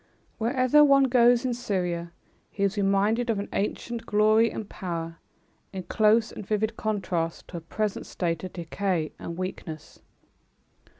Wherever one goes in Syria, he is reminded of an ancient glory and power, in close and vivid contrast to a present state of decay and weakness.